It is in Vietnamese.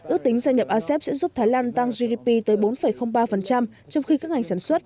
ước tính gia nhập asep sẽ giúp thái lan tăng gdp tới bốn ba trong khi các ngành sản xuất